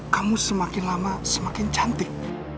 kamu semakin lama semakin cantik